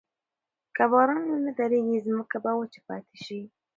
که باران ونه وریږي، ځمکه به وچه پاتې شي.